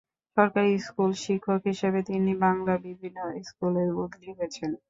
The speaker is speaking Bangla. সরকারি স্কুলের শিক্ষক হিসেবে তিনি বাংলার বিভিন্ন স্কুলে বদলি হয়েছেন।